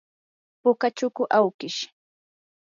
puka chuku awkish.